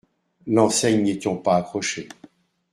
L’enseigne n’étiont pas accrochée.